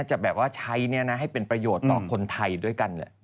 จะแบบว่าใช้ให้เป็นประโยชน์ต่อคนไทยด้วยกัน